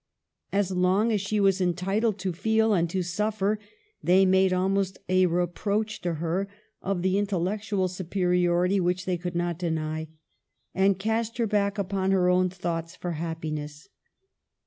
As long as she was entitled to feel and to suffer they made almost a reproach to her of the intellectual superiority which they could not deny, and cast her back upon her ov/n thoughts for happiness.